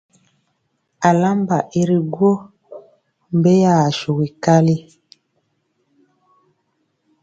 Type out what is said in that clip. Alamba i ri gwo mbeya asugɔ kali.